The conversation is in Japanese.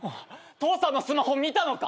父さんのスマホ見たのか？